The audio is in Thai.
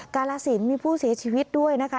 กาลสินมีผู้เสียชีวิตด้วยนะคะ